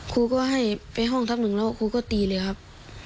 ครูก็ให้ไปห้องพักหนึ่งแล้วครูก็ตีเลยครับ